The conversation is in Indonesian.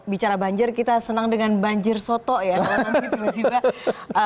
bicara banjir kita senang dengan banjir soto ya